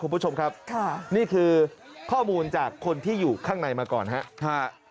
คุณผู้ชมครับค่ะนี่คือข้อมูลจากคนที่อยู่ข้างในมาก่อนครับ